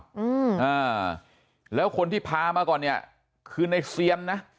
อืมอ่าแล้วคนที่พามาก่อนเนี้ยคือในเซียนนะ